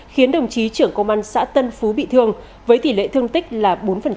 khiến đồng chí trưởng công an xã tân phú bị thương với tỷ lệ thương tích là bốn